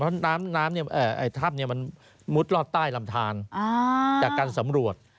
เพราะน้ำถ้ำมันมุดรอดใต้ลำทานจากการสำรวจ